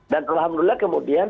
dan alhamdulillah kemudian